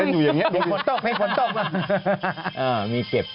อยู่อย่างนี้